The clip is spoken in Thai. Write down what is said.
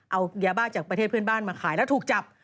เอายาบ้าจากประเทศเพื่อนบ้านมาขายแล้วถูกจับ